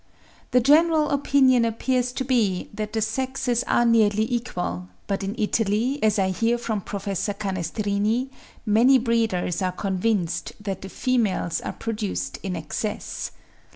The general opinion appears to be that the sexes are nearly equal, but in Italy, as I hear from Professor Canestrini, many breeders are convinced that the females are produced in excess.